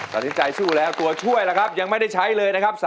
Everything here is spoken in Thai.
ตอนนี้ใจสู้แล้วตัวช่วยล่ะครับยังไม่ได้ใช้เลยนะครับ